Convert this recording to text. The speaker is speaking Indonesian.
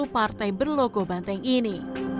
partai berlogo banteng ini